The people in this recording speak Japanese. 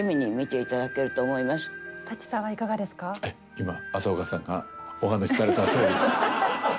今浅丘さんがお話しされたとおりです。